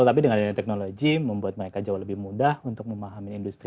tapi dengan adanya teknologi membuat mereka jauh lebih mudah untuk memahami industri